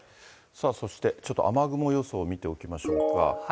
そして、ちょっと雨雲予想を見ておきましょうか。